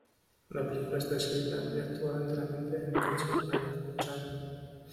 La película está escrita y actuada enteramente en quechua ayacuchano.